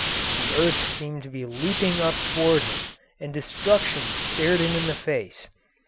The earth seemed to be leaping up toward him and destruction stared him in the face.